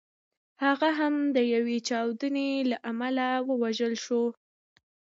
هغه هم د یوې چاودنې له امله ووژل شو.